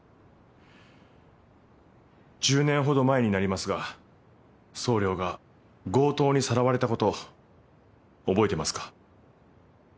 １０年ほど前になりますが総領が強盗にさらわれたこと覚えてますか？